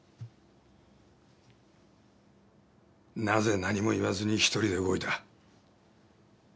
なぜ何も言わずに一人で動いた？